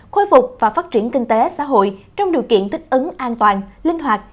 khôi phục và phát triển kinh tế xã hội trong điều kiện thích ứng an toàn linh hoạt